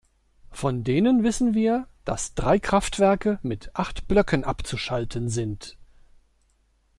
Von denen wissen wir, dass drei Kraftwerke mit acht Blöcken abzuschalten sind.